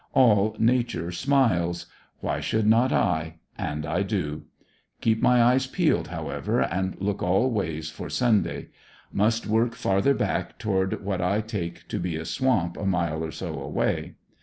All nature smiles — why should not I? — and I do. Keep my ej^es peeled, however, and look all ways for Sunday. Must work farther back toward what 1 take to be a swamp a mile or so away.